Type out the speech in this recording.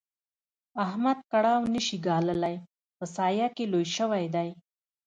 احمد کړاو نه شي ګاللای؛ په سايه کې لوی شوی دی.